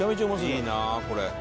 「いいなこれ」